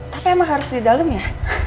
tapi emang harus di dalem ya